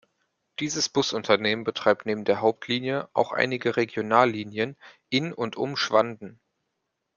Dieses Busunternehmen betreibt neben der Hauptlinie auch einige Regionallinien in und um Schwanden.